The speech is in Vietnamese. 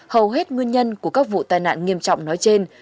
hầu hết nguyên nhân của các vụ tai nạn nghiêm trọng nói trên